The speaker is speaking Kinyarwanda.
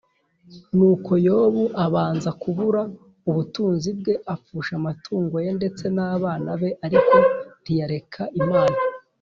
Nuko Yobu abanza kubura ubutunzi bwe, apfusha amatungo ye ndetse nabana be ariko ntiyareka Imana.